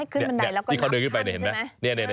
เขาบอกว่าให้ขึ้นบันไดแล้วก็หนักขั้น